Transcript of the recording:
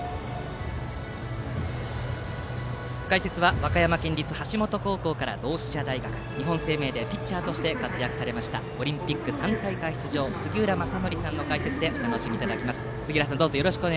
解説は和歌山県立橋本高校から同志社大学日本生命でピッチャーとして活躍されましたオリンピック３大会出場の杉浦正則さんの解説でお伝えします。